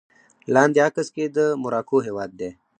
لاندې عکس کې د مراکو هېواد دی